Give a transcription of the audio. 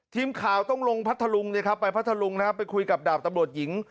ทีมข่าวต้องลงพัทธลุงสิครับไปพัทธลุงนะครับไปคุยกับดาบตำรวจหญิง